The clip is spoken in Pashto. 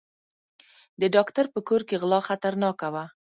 د ډاکټر په کور کې غلا خطرناکه وه.